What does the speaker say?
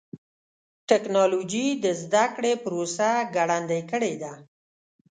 ټکنالوجي د زدهکړې پروسه ګړندۍ کړې ده.